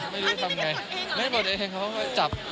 ไม่ได้ป่อนเองเขาจับ